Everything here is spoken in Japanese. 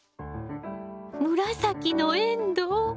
紫のエンドウ。